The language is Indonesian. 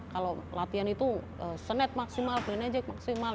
kalau latihan itu senet maksimal planejack maksimal